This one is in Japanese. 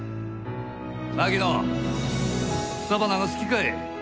槙野草花が好きかえ？